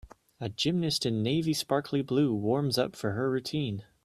A gymnast in navy sparkly blue warms up for her routine